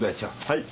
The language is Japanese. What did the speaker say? はい。